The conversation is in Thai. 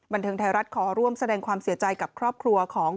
บันเทิงไทยรัฐขอร่วมแสดงความเสียใจกับครอบครัวของ